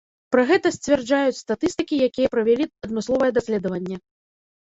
Пра гэта сцвярджаюць статыстыкі, якія правялі адмысловае даследаванне.